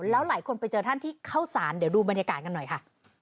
แล้วหลายคนไปเจอท่านที่เข้าสารเดี๋ยวดูบรรยากาศกันหน่อยค่ะ